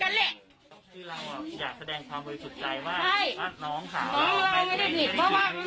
นี่รถไหม